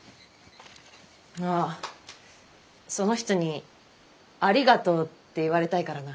あその人に「ありがとう」って言われたいからな。